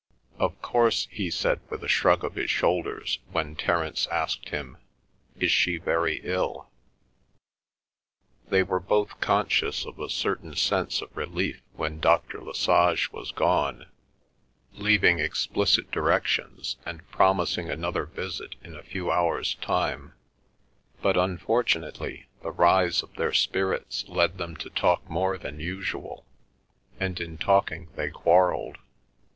"Of course," he said with a shrug of his shoulders, when Terence asked him, "Is she very ill?" They were both conscious of a certain sense of relief when Dr. Lesage was gone, leaving explicit directions, and promising another visit in a few hours' time; but, unfortunately, the rise of their spirits led them to talk more than usual, and in talking they quarrelled.